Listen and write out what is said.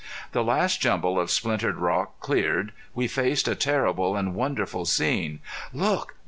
The last jumble of splintered rock cleared, we faced a terrible and wonderful scene. "Look!